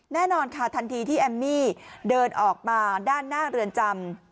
แน่นอนค่ะทันทีที่แอมมี่เดินออกมาด้านหน้าเรือนจำ